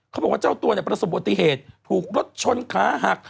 เขาบอกว่าเจ้าตัวเนี่ยประสบปฏิเหตุถูกรถชนขาหัก